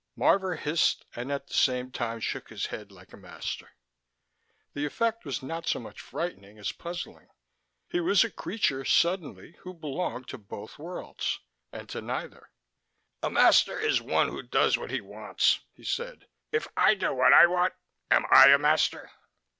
Marvor hissed and at the same time shook his head like a master. The effect was not so much frightening as puzzling: he was a creature, suddenly, who belonged to both worlds, and to neither. "A master is one who does what he wants," he said. "If I do what I want, am I a master?"